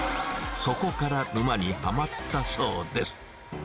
そこから沼にはまったそうです。